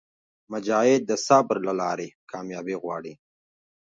مجاهد د صبر له لارې کاميابي غواړي.